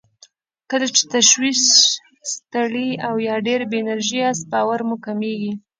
کله چې تشویش، ستړی او يا ډېر بې انرژي ياست باور مو کمېږي.